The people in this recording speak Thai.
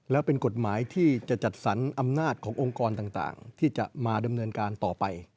แล้วเป็นกฎหมายที่จะจัดสรรอำนาจขององค์กรต่างที่จะมาดำเนินการต่อไป